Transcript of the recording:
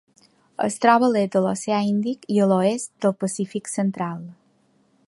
Es troba a l'est de l'Oceà Índic i a l'oest del Pacífic central.